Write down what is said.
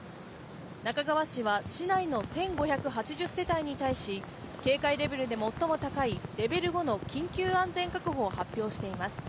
那珂川市は市内の１５８０世帯に対し警戒レベルで最も高いレベル５の緊急安全確保を発表しています。